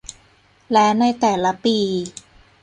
และในแต่ละปี